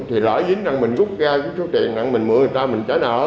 thì lợi dính rằng mình rút ra một số tiền đặng mình mượn người ta mình trả nợ